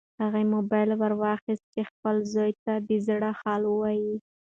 هغې موبایل ورواخیست چې خپل زوی ته د زړه حال ووایي.